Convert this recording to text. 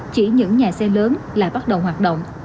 chỉ những nhà xe lớn lại bắt đầu hoạt động